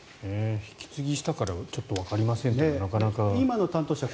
引き継ぎしたからちょっとわかりませんというのも。